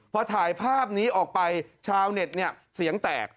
พอถ่ายภาพนี้ออกไปชาวเน็ตเนี่ยเสียงแตก